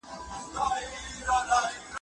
رابعې وویل چې اوسنۍ ښځې ډېرې بې باکه دي.